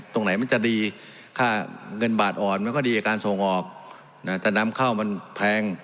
ตรงไหนมันจะดีค่าเงินบาทอ่อนมันก็ดีกับการส่งออกแต่นำเข้ามันแพง